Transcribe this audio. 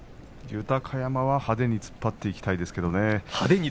豊山は派手に突っ張っていきたいですけれどね。